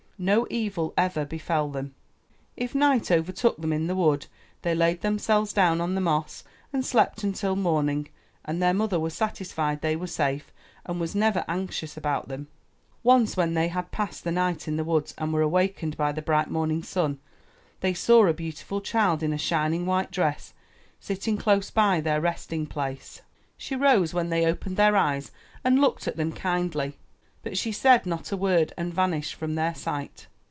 No evil ever befell them. If night overtook them in the wood, they laid themselves down on the moss and slept until morning, and their mother was satisfied they were safe and was never anxious about them. Once when they had passed the night in the woods and were awakened by the bright morning sun, they saw a beautiful child in a shining white dress sitting close by their resting place. She rose when they opened their eyes, and looked at them kindly, but she said not a word and vanished from their sight.